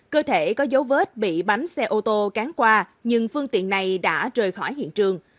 cơ thể có dấu vết bị bánh xe ô tô cán qua nhưng phương tiện này đã rời khỏi hiện trường